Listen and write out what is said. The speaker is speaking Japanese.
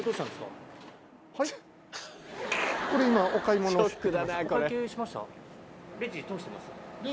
これ今お買い物して。